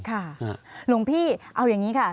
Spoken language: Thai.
หลวงพี่เอาอย่างนี้ค่ะ